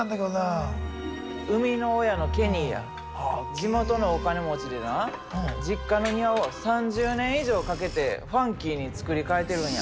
地元のお金持ちでな実家の庭を３０年以上かけてファンキーに作り替えてるんや。